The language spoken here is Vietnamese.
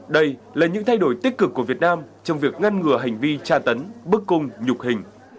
đây là những thay đổi tích cực của việt nam trong việc ngăn ngừa hành vi tra tấn bức cung nhục hình